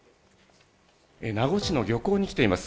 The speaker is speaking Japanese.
名護市の漁港に来ています。